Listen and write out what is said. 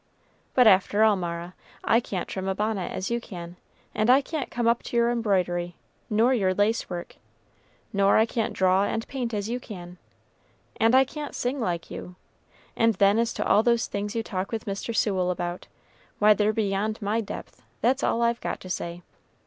But after all, Mara, I can't trim a bonnet as you can, and I can't come up to your embroidery, nor your lace work, nor I can't draw and paint as you can, and I can't sing like you; and then as to all those things you talk with Mr. Sewell about, why they're beyond my depth, that's all I've got to say.